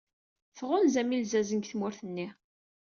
Tɣunzam ilzazen seg tmurt-nni.